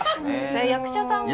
役者さんも。